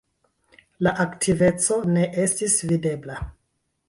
La aktiveco ne estis videbla.